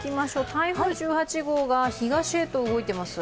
台風１８号が東へと動いています。